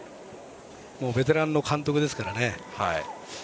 もうベテランの監督ですからね。